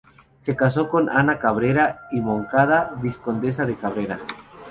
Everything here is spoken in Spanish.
Se casó con Ana de Cabrera y Moncada, vizcondesa de Cabrera.